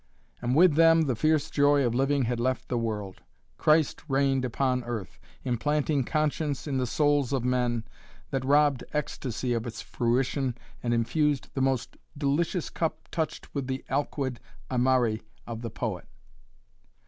And with them the fierce joy of living had left the world. Christ reigned upon earth, implanting conscience in the souls of men, that robbed ecstasy of its fruition and infused the most delicious cup touched with the Aliquid Amari of the poet.